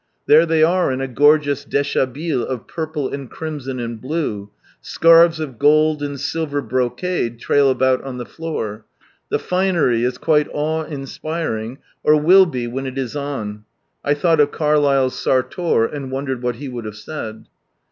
There they are in a goi^eous dhkabilU of purple and crimson and blue : scarves of gold and silver brocade irail about on the floor. The finery is quite awe inspiring, or will be when it is on, (I thought of Carlyle's " Sartor," and wondered what he would have said